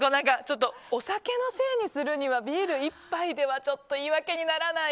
お酒のせいにするにはビール１杯ではちょっと言い訳にならない